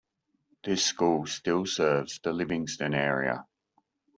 This school still serves the Livingston area.